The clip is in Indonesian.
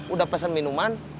udah pesen minuman